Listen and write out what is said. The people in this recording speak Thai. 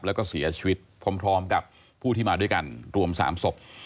แล้วก็เสียชีวิตพร้อมกับผู้ที่มาด้วยกันรวม๓ศพ